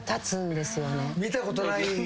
見たことない虫。